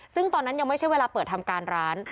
ซึ่งตอนนั้นยังไม่ใช่เวลาเปิดทำการร้าน